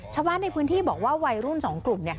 ชาวบ้านในพื้นที่บอกว่าวัยรุ่น๒กลุ่ม